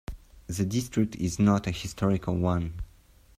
The district is not a historical one.